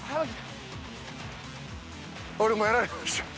俺もやられました。